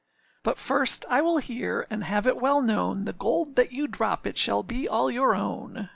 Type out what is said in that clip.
âBut first, I will hear, and have it well known, The gold that you drop it shall be all your own.